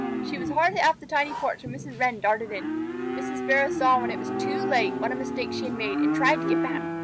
She was hardly off the tiny porch when Mrs. Wren darted in. Mrs. Sparrow saw when it was too late what a mistake she had made, and tried to get back.